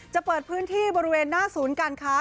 จะเปิดพื้นที่บริเวณหน้าศูนย์การค้า